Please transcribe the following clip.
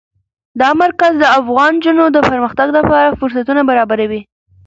دا مرکز د افغان نجونو د پرمختګ لپاره فرصتونه برابروي.